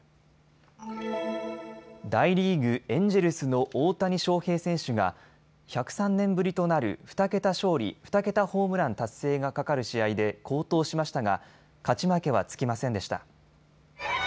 大リーグ、エンジェルスの大谷翔平選手が１０３年ぶりとなる２桁勝利、２桁ホームラン達成がかかる試合で好投しましたが勝ち負けはつきませんでした。